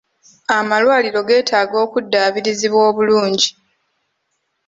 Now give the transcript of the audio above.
Amalwaliro geetaaga okuddaabirizibwa obulungi.